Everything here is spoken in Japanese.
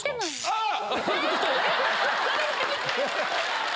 あっ⁉